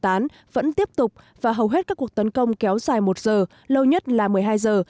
tán vẫn tiếp tục và hầu hết các cuộc tấn công kéo dài một giờ lâu nhất là một mươi hai giờ